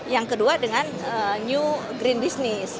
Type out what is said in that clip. yang kedua dengan new green business